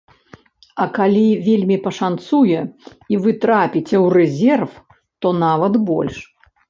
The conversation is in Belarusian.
А калі вельмі пашанцуе і вы трапіце ў рэзерв, то нават больш.